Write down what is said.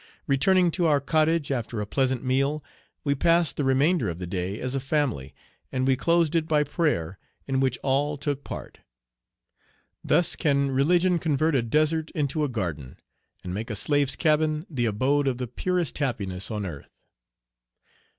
Returning to our cottage, after a pleasant meal, we passed the remainder of the day as a family, and we closed it by prayer, in which all took part." Thus can religion convert a desert into a garden, and make a slave's cabin the abode of the purest happiness on earth.